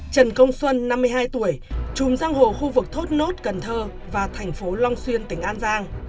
trần công xuân năm mươi hai tuổi chùm giang hồ khu vực thốt nốt cần thơ và thành phố long xuyên tỉnh an giang